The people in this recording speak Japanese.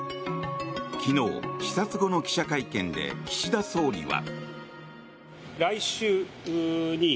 昨日、視察後の記者会見で岸田総理は。